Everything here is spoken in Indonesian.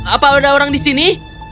apa ada orang di sini